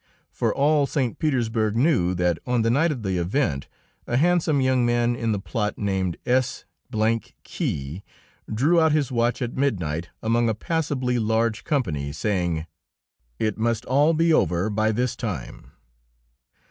For all St. Petersburg knew that on the night of the event a handsome young man in the plot named S ky drew out his watch at midnight among a passably large company, saying: "It must all be over by this time."